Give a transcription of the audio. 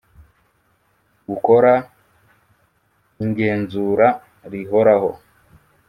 gukora ingenzura rihoraho